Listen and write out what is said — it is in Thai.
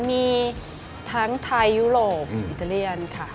มีทั้งไทยยุโรปอิตาเลียนค่ะ